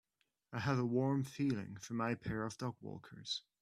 I have a warm feeling for my pair of dogwalkers.